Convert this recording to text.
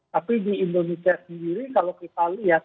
tapi di indonesia sendiri kalau kita lihat